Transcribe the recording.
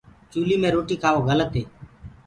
چوُلِي مي روٽي کآوو گَلت هي۔